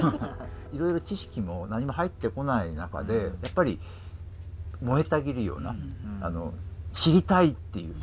いろいろ知識も何も入ってこない中でやっぱり燃えたぎるような知りたいっていう。